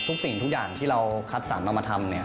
สิ่งทุกอย่างที่เราคัดสรรเอามาทำเนี่ย